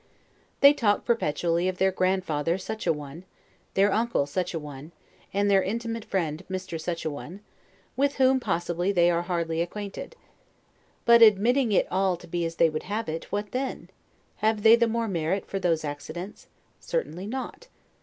They talk perpetually of their grandfather such a one, their uncle such a one, and their intimate friend Mr. Such a one, with whom, possibly, they are hardly acquainted. But admitting it all to be as they would have it, what then? Have they the more merit for those accidents? Certainly not.